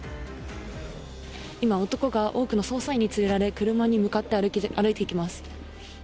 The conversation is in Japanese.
今、男が、多くの捜査員に連れられ、車に向かって歩いていきます。